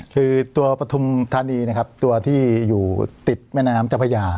คือตัวปฐุมธานีนะครับตัวที่อยู่ติดแม่น้ำเจ้าพระยา